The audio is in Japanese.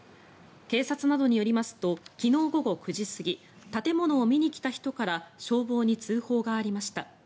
警察などによりますと昨日午後９時過ぎ建物を見に来た人から消防に通報がありました。